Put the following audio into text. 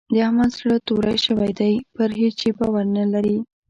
د احمد زړه توری شوی دی؛ پر هيڅ شي باور نه لري.